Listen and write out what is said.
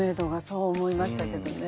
そう思いましたけどね。